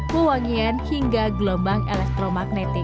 kewangian hingga gelombang elektromagnetik